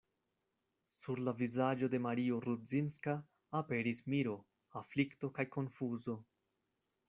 Sur la vizaĝo de Mario Rudzinska aperis miro, aflikto kaj konfuzo.